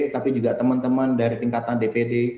tapi juga teman teman dari tingkatan dpd